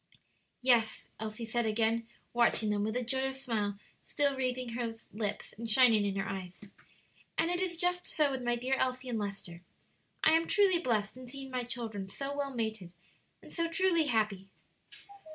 "Yes," Elsie said again, watching them, with a joyous smile still wreathing her lips and shining in her eyes; "and it is just so with my dear Elsie and Lester. I am truly blest in seeing my children so well mated and so truly happy."